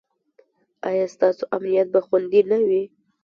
ایا ستاسو امنیت به خوندي نه وي؟